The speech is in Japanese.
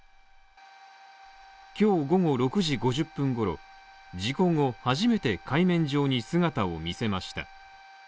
今日午後６時５０分ごろ、事故後初めて海面上に姿を見せました。